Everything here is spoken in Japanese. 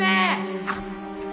あっ。